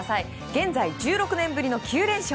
現在、１６年ぶりの９連勝。